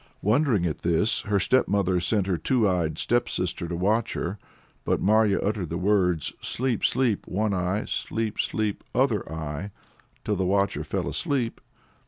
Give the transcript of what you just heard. Wondering at this, her stepmother sent her two eyed stepsister to watch her. But Marya uttered the words "Sleep, sleep, one eye! sleep, sleep, other eye!" till the watcher fell asleep.